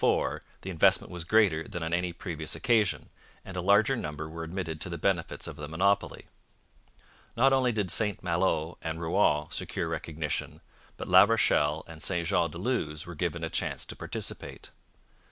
the investment was greater than on any previous occasion, and a larger number were admitted to the benefits of the monopoly. Not only did St Malo and Rouen secure recognition, but La Rochelle and St Jean de Luz were given a chance to participate.